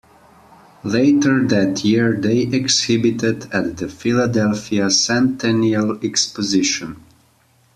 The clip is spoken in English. Later that year they exhibited at the Philadelphia Centennial Exposition.